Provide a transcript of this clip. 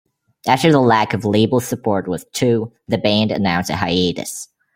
After the lack of label support with "Two", the band announced a hiatus.